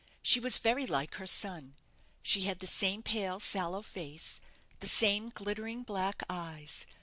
She was very like her son. She had the same pale, sallow face, the same glittering black eyes.